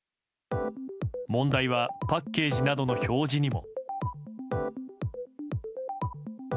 問題はパッケージなどの表示にも。